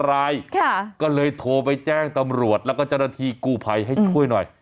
รายก็เลยโทรไปแจ้งตำรวจแล้วก็เจ้าหน้าที่กู้ภัยให้ช่วยหน่อย